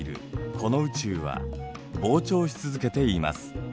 この宇宙は膨張し続けています。